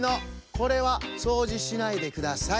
これはそうじしないでください！